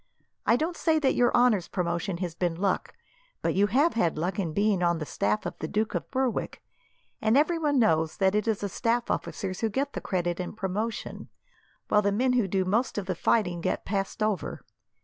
I don't say that your honour's promotion has been luck, but you have had luck in being on the staff of the Duke of Berwick, and everyone knows that it is the staff officers who get the credit and promotion, while the men who do most of the fighting get passed over.